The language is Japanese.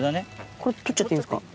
これ取っちゃっていいんですか？